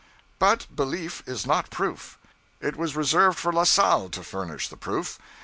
But belief is not proof. It was reserved for La Salle to furnish the proof.